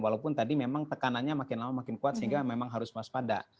walaupun tadi memang tekanannya makin lama makin kuat sehingga memang harus waspada